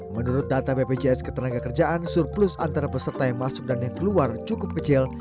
menurut data bpjs ketenaga kerjaan surplus antara peserta yang masuk dan yang keluar cukup kecil